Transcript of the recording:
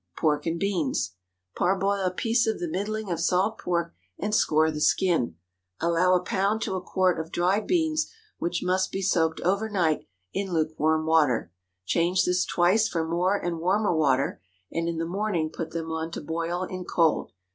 PORK AND BEANS. Parboil a piece of the middling of salt pork, and score the skin. Allow a pound to a quart of dried beans, which must be soaked over night in lukewarm water. Change this twice for more and warmer water, and in the morning put them on to boil in cold.